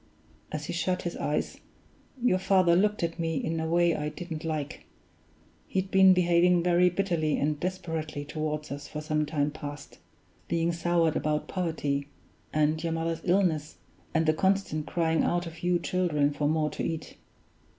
As he shut his eyes, your father looked at me in a way I didn't like. He'd been behaving very bitterly and desperately toward us for some time past, being soured about poverty, and your mother's illness, and the constant crying out of you children for more to eat.